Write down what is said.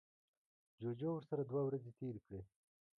جوجو ورسره دوه ورځې تیرې کړې.